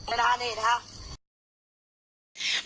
เวลานี่นะครับ